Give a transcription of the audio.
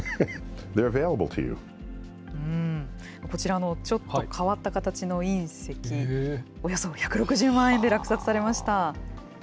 こちらのちょっと変わった形の隕石、およそ１６０万円で落札されました。